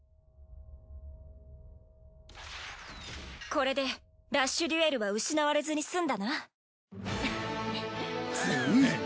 これでラッシュデュエルは失われずにすんだな。